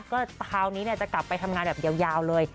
ก็คราวนี้จะกลับไปทำงานแบบยาวเลย